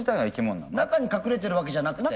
中に隠れてるわけじゃなくて。